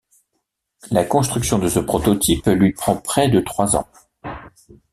La construction de ce prototype lui prend près de trois ans.